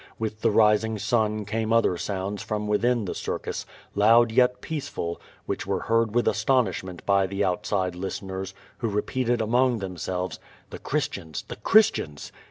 With ' the rising sun came other sounds from within the circus, loud ye^ peaceful, which were heard with astonishment by tlie outside listeners, who repeated among themselves: "The Christians! the Christians!''